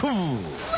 うわ